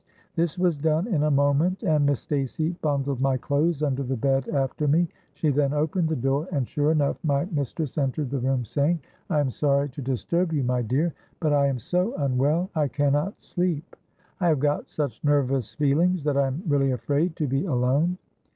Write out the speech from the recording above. '—This was done in a moment, and Miss Stacey bundled my clothes under the bed after me. She then opened the door, and, sure enough, my mistress entered the room, saying, 'I am sorry to disturb you, my dear; but I am so unwell I cannot sleep. I have got such nervous feelings that I am really afraid to be alone.'